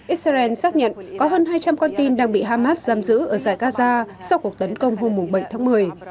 israel xác nhận có hơn hai trăm linh con tin đang bị hamas giam giữ ở giải gaza sau cuộc tấn công hôm bảy tháng một mươi